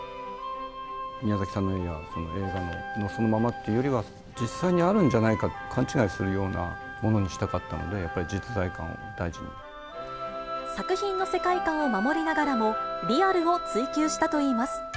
宮崎さんの絵や映画のそのままっていうよりは、実際にあるんじゃないかと勘違いするようなものにしたかったんで、作品の世界観を守りながらも、リアルを追求したといいます。